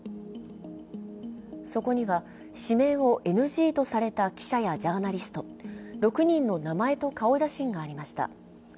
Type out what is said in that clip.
そこには、指名をＮＧとされた記者やジャーナリスト、６人の名前と顔写真がありました。